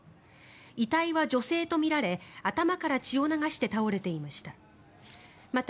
遺体は女性とみられ頭から血を流して倒れていました。